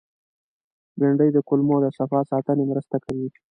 بېنډۍ د کولمو د صفا ساتنې مرسته کوي